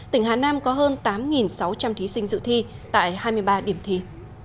tỉnh hà nam có hơn tám sáu trăm linh thí sinh dự thi tại hai mươi ba điểm thi